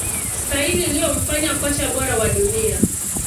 Staili iliyomfanya kocha bora wa dunia